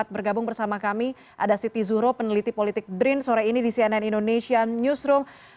bergabung bersama kami ada siti zuro peneliti politik brin sore ini di cnn indonesia newsroom